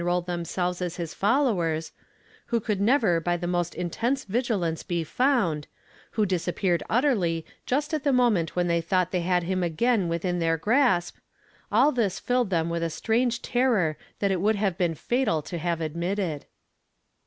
oiled themselves as his followc s, who could never by the most intense vigilance i e fou 1 who disappeared utterly just at 'the'mZ'nt 840 YESTERDAY FRAMED IN TO DAY. tr i! ^^ if when they thought they liad him again within their grasp — all this filled them with a strange terror that it would have been fatal to have admitted.